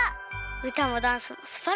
うたもダンスもすばらしかったです。